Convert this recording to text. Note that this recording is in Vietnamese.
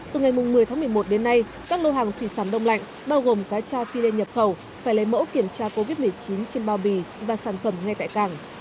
từ ngày một mươi tháng một mươi một đến nay các lô hàng thủy sản đông lạnh bao gồm cá cha phi lê nhập khẩu phải lấy mẫu kiểm tra covid một mươi chín trên bao bì và sản phẩm ngay tại cảng